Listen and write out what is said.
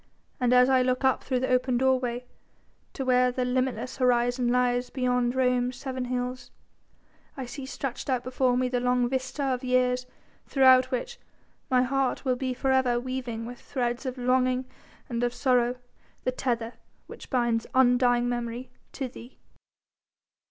And as I look up through the open doorway to where the limitless horizon lies beyond Rome's seven hills, I see stretched out before me the long vista of years throughout which my heart will be for ever weaving with threads of longing and of sorrow the tether which binds undying memory to thee."